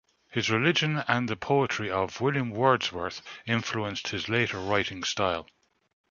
His religion and the poetry of William Wordsworth influenced his later writing style.